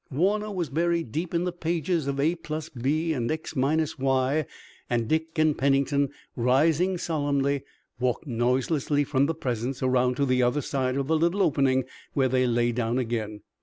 Warner was buried deep in the pages of a plus b and x minus y, and Dick and Pennington, rising solemnly, walked noiselessly from the presence around to the other side of the little opening where they lay down again.